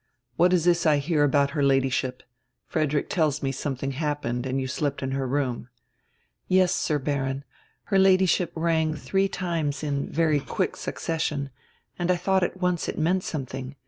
"What is this I hear about her Ladyship? Frederick tells me something happened and you slept in her room." "Yes, Sir Baron. Her Ladyship rang three times in very quick succession, and I thought at once it meant some thing.